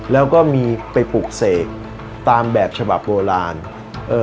แล้วก็มีไปปลูกเสกตามแบบฉบับโบราณเอ่อ